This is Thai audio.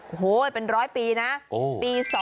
โอ้โหเป็นร้อยปีนะปี๒